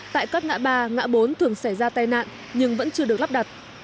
tại các ngã ba ngã bốn thường xảy ra tai nạn nhưng vẫn chưa được lắp đặt